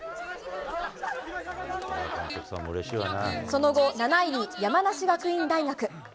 その後、７位に山梨学院大学。